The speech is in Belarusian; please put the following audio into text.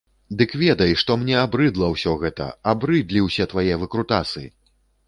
Дык ведай, што мне абрыдла ўсё гэта, абрыдлі ўсе твае выкрутасы!